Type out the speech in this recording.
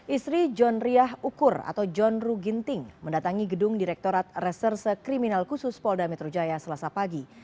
istri john riah ukur atau john ruginting mendatangi gedung direktorat reserse kriminal khusus polda metro jaya selasa pagi